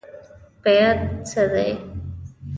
بیعت څه دی؟